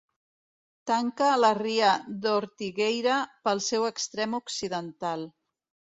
Tanca la ria d'Ortigueira pel seu extrem occidental.